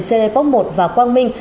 cerepop một và quang minh